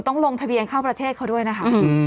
ต้องลงทะเบียนเข้าประเทศเขาด้วยนะคะ